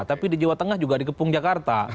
tapi di jawa tengah juga dikepung jakarta